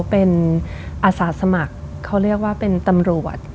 เป็นอาสาสมัครเขาเรียกว่าเป็นตำรวจ